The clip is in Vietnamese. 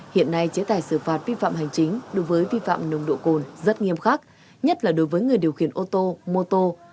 hiện nay chế tài xử phạt vi phạm hành chính đối với vi phạm nồng độ cồn rất nghiêm khắc nhất là đối với người điều khiển ô tô mô tô